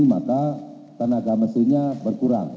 maka tenaga mesinnya berkurang